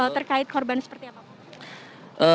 terkait korban seperti apa